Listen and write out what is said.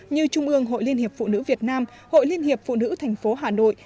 như trung ương hội liên hiệp phụ nữ việt nam hội liên hiệp phụ nữ tp hà nội